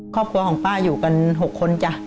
ครอบครัวของป้าอยู่กัน๖คนจ้ะ